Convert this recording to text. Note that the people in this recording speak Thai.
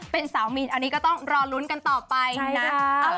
เป็นสาวมีนอันนี้ก็ต้องรอลุ้นกันต่อไปนะ